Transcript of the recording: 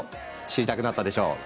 知りたくなったでしょう。